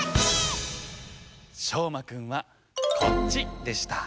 しょうまくんはこっちでした。